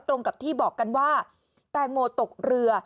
ตรงกับที่บอกกันว่าแตงโมตกเรือ